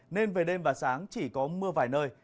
nên về đêm và sáng chỉ có mưa vài nơi